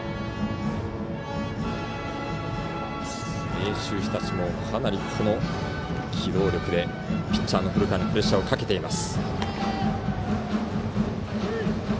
明秀日立もかなり機動力でピッチャーの古川にプレッシャーをかけています。